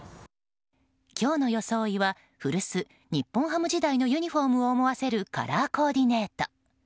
今日の装いは古巣・日本ハム時代のユニホームを思わせるカラーコーディネート。